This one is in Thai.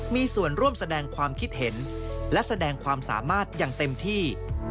มีส่วนร่วมแสดงความคิดเห็นและแสดงความสามารถอย่างเต็มที่